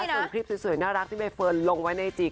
ส่วนคลิปสวยน่ารักที่ใบเฟิร์นลงไว้ในไอจี